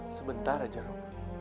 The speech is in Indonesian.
sebentar aja rum